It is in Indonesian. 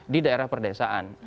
di daerah perdesaan